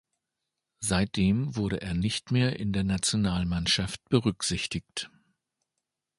Seitdem wurde er nicht mehr in der Nationalmannschaft berücksichtigt.